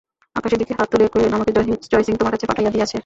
আকাশের দিকে হাত তুলিয়া কহিলেন, আমাকে জয়সিংহ তোমার কাছে পাঠাইয়া দিয়াছে।